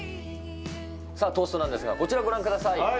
トーストなんですが、こちらご覧ください。